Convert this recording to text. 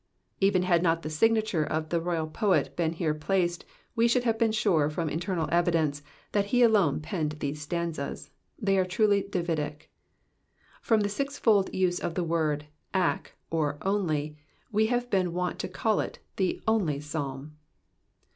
— Even had not the signature of the royal poet been here placed, we should have been sure from internal evidence that he alone penned these stanzas ; they are truly Davidic. From the siarfold use of the word ac or only, w>e have been wont to call ii the Only Psalm.